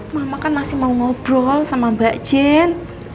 mama kan masih mau ngobrol sama mbak jen